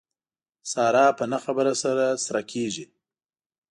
ساره په نه خبره سره سره کېږي.